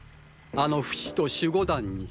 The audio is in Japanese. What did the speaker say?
あのフシと守護団に。